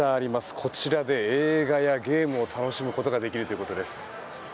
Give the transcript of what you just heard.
こちらで映画やゲームを楽しむことができるということです。